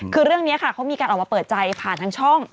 คือเรื่องนี้ค่ะเขามีการออกมาเปิดใจผ่านทางช่อง